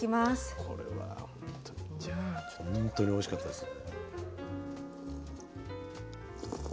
本当においしかったです。